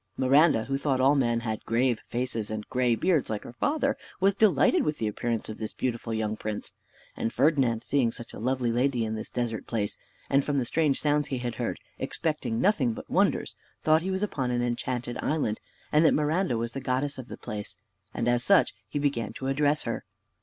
Miranda, who thought all men had grave faces and gray beards like her father, was delighted with the appearance of this beautiful young prince; and Ferdinand, seeing such a lovely lady in this desert place, and from the strange sounds he had heard, expecting nothing but wonders, thought he was upon an enchanted island, and that Miranda was the goddess of the place, and as such he began to address her.